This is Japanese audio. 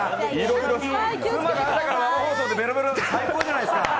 朝から生放送でベロベロ最高じゃないですか。